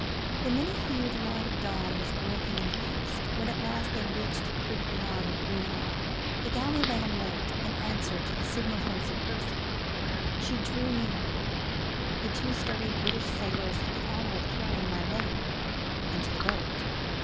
The many hued light of dawn was breaking in the east, when at last they reached the creek beyond Gris Nez. The galley lay in wait: in answer to a signal from Sir Percy, she drew near, and two sturdy British sailors had the honour of carrying my lady into the boat.